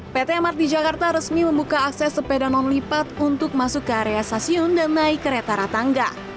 pt mrt jakarta resmi membuka akses sepeda non lipat untuk masuk ke area stasiun dan naik kereta ratangga